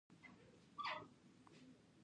آیا د ایران کلتور بډایه نه دی؟